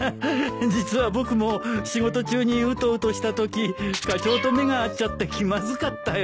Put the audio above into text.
実は僕も仕事中にうとうとしたとき課長と目が合っちゃって気まずかったよ。